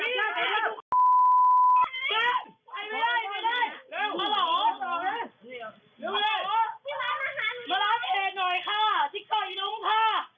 มาร้านเทนหน่อยค่ะติ๊กส้อยนุ้งค่ะ